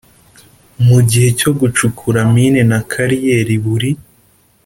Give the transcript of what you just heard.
mu gihe cyo gucukura mine na kariyeri buri